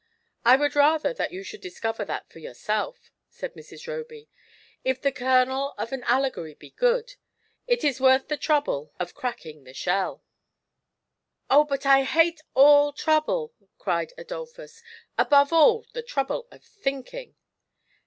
"I would rather that you should discover that for yourself," said Mrs. Eoby. " If the kernel of an alle gory be good, it is worth the trouble of cracking the shell" GIANT SLOTH. 35 "Oh, but I hate all trouble 1" cried Adoli)hus; "above all, the trouble of thinking."